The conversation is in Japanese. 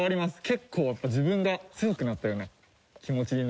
結構やっぱり自分が強くなったような気持ちになるので。